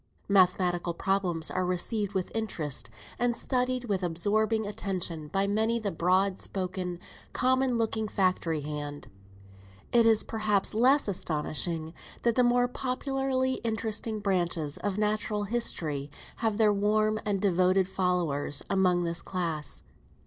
Mathematical problems are received with interest, and studied with absorbing attention by many a broad spoken, common looking, factory hand. It is perhaps less astonishing that the more popularly interesting branches of natural history have their warm and devoted followers among this class.